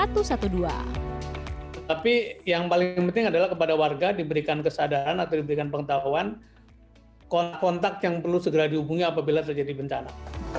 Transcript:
tapi yang paling penting adalah kepada warga diberikan kesadaran atau diberikan pengetahuan kontak yang perlu segera dihubungi apabila terjadi bencana